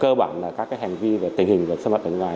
cơ bản là các hành vi và tình hình và sân mật ở ngoài